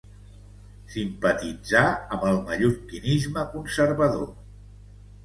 Simpatitzà amb el mallorquinisme conservador.